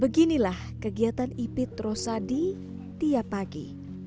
beginilah kegiatan ipit rosadi tiap pagi